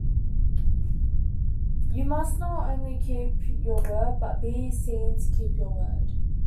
You must not only keep your word but be seen to keep your word.